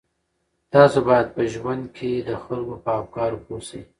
تاسو باید په ژوند کې د خلکو په افکارو پوه شئ.